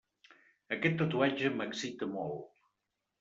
Aquest tatuatge m'excita molt.